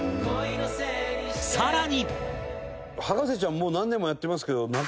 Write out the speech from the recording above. さらに